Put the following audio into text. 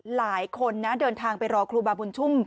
หลายคนนะเดินทางไปรอครูบาบุญชุ่ม